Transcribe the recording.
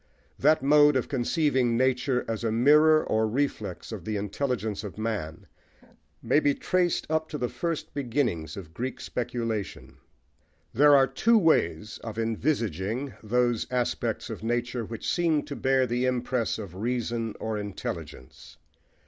That mode of conceiving nature as a mirror or reflex of the intelligence of man may be traced up to the first beginnings of Greek speculation. There are two ways of envisaging those aspects of nature which seem to bear the impress of reason or intelligence.